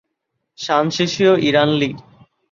শানশিশিয় Iran, Li.